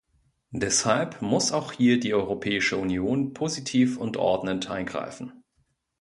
Deshalb muss auch hier die Europäische Union positiv und ordnend eingreifen.